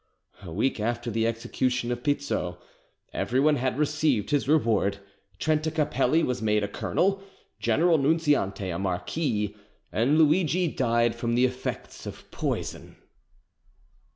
A week after the execution of Pizzo everyone had received his reward: Trenta Capelli was made a colonel, General Nunziante a marquis, and Luidgi died from the effects of poison.